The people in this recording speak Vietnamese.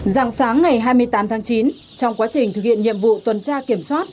giàng sáng ngày hai mươi tám tháng chín trong quá trình thực hiện nhiệm vụ tuần tra kiểm soát